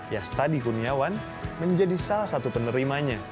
ya studi kuniawan menjadi salah satu penerimanya